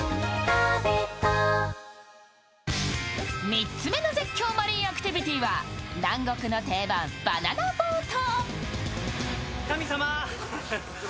３つ目の絶叫マリンアクティビティは南国の定番、バナナボート。